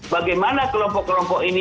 bagaimana kelompok kelompok ini